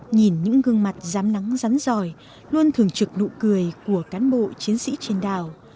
nhìn những gương mặt dám nắng rắn giỏi luôn thường trực nụ cười của cán bộ chiến sĩ trên đảo